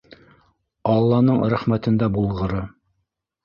Алланың рәхмәтендә булғыры.